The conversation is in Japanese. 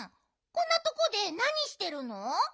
こんなとこでなにしてるの？